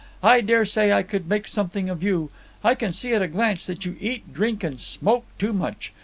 I dare say I could make something of you. I can see at a glance that you eat, drink, and smoke too much.